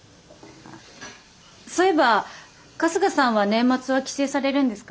そういえば春日さんは年末は帰省されるんですか？